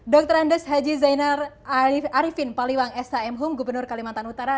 dokter andes haji zainal arifin paliwang shm home gubernur kalimantan utara